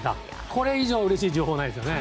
これ以上うれしい情報はないですよね。